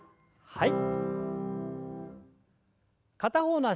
はい。